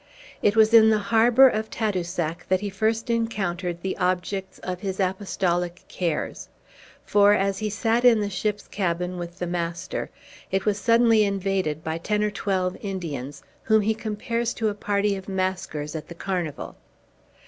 It was in the harbor of Tadoussac that he first encountered the objects of his apostolic cares; for, as he sat in the ship's cabin with the master, it was suddenly invaded by ten or twelve Indians, whom he compares to a party of maskers at the Carnival.